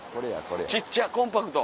小っちゃコンパクト